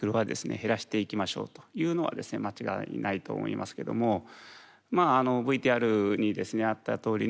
減らしていきましょうというのは間違いないと思いますけどもまあＶＴＲにですねあったとおりに弊社の場合はですね